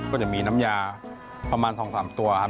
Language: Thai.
ก็จะมีน้ำยาประมาณ๒๓ตัวครับ